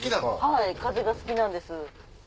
はい風が好きなんです。